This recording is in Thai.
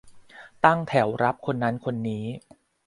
ตั้งแถวรับคนนั้นคนนี้